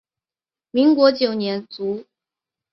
民国九年卒。